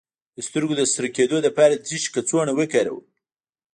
د سترګو د سره کیدو لپاره د څه شي کڅوړه وکاروم؟